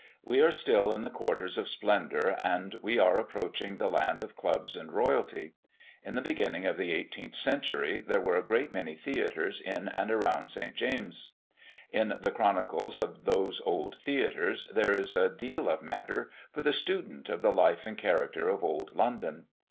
We are still in the quarters of splendour, and we are approaching the land of clubs and royalty. In the beginning of the 18th century there were a great many theatres in and around St. James's. In the chronicles of those old theatres, there is a deal of matter for the student of the life and character of old London.